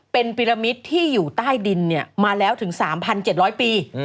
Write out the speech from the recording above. เป็นปิลมิตที่อยู่ใต้ดินมาแล้วถึง๓๗๐๐ปี